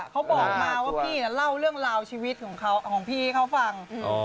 เขาบอกมาว่าพี่เล่าเรื่องราวชีวิตของเขาของพี่เขาฟัง